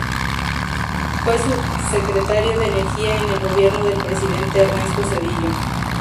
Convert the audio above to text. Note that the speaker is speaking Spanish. Fue sub-secretario de Energía en el gobierno del Presidente Ernesto Zedillo.